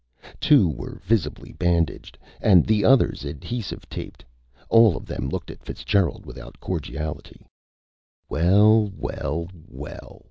Two were visibly bandaged, and the others adhesive taped. All of them looked at Fitzgerald without cordiality. "Well, well, well!"